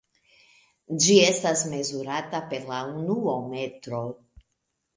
Ĝi estas mezurata per la unuo metro.